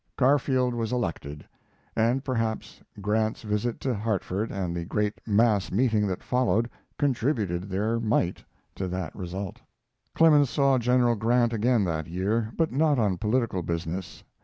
Garfield was elected, and perhaps Grant's visit to Hartford and the great mass meeting that followed contributed their mite to that result. Clemens saw General Grant again that year, but not on political business.